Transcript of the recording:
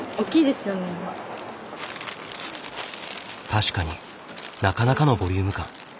確かになかなかのボリューム感。